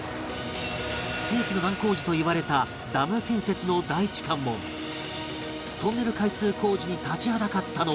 世紀の難工事といわれたダム建設の第一関門トンネル開通工事に立ちはだかったのは